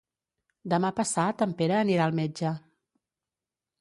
Demà passat en Pere anirà al metge.